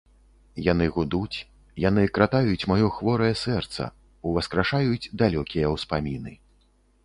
Яны гудуць, яны кратаюць маё хворае сэрца, уваскрашаюць далёкія ўспаміны.